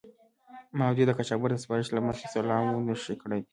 ما او دې د قاچاقبر د سپارښت له مخې سلام و نه شو کړای.